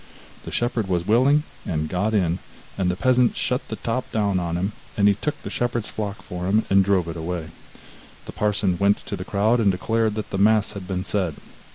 The shepherd was willing, and got in, and the peasant shut the top down on him; then he took the shepherd's flock for himself, and drove it away. The parson went to the crowd, and declared that the mass had been said.